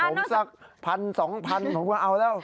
ผมสักพันสองพันผมก็เอาแล้ว